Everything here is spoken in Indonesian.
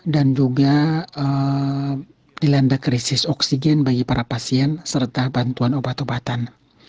dan juga dilanda krisis oksigen bagi para pasien serta bantuan obat obatan